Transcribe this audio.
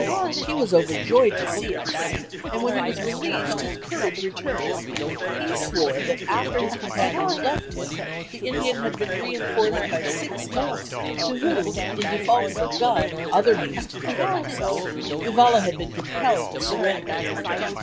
He was overjoyed to see us, and when he was released his courage returned; he swore that after his companions left him the Indian had been re enforced by six more to whom, in default of a gun or other means to defend himself, Vivalla had been compelled to surrender.